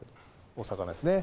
お魚ですね。